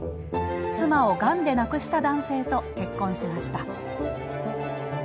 妻をがんで亡くした男性と結婚しました。